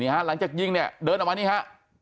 หลังจากยิงเนี่ยเดินออกมานี่ฮะ